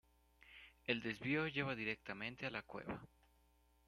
El desvío lleva directamente a la cueva.